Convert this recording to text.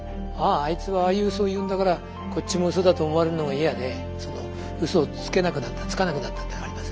あいつはああいうウソを言うんだからこっちもウソだと思われるのが嫌でウソをつけなくなったつかなくなったっていうのはあります。